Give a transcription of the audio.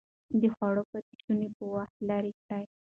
د خوړو پاتې شوني په وخت لرې کړئ.